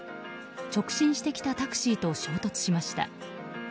直進してきたタクシーと衝突しました。